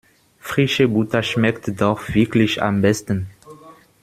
Frische Butter schmeckt doch wirklich am besten.